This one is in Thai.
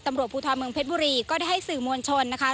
ตำรวจภูทรเมืองเพชรบุรีก็ได้ให้สื่อมวลชนนะคะ